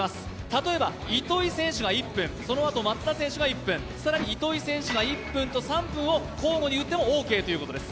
例えば、糸井選手が１分、そのあと、松田選手が１分、更に糸井選手が１分と３分を交互に打ってもオーケーということです。